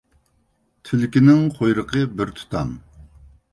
تۈلكىنىڭ قۇيرۇقى بىر تۇتام.